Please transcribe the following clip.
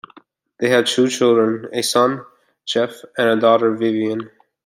They had two children, a son, Jeff, and a daughter, Vivien.